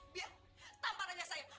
biar tampar aja saya